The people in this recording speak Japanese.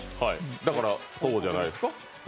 だから、そうじゃないですか？